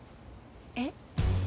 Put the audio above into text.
えっ？